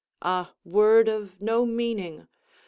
Ah, word of no meaning!